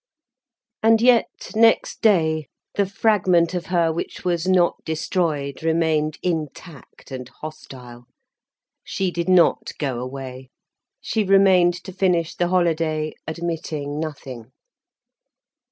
And yet, next day, the fragment of her which was not destroyed remained intact and hostile, she did not go away, she remained to finish the holiday, admitting nothing.